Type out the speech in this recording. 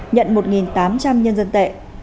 nhận một tám trăm linh nhân dân tệ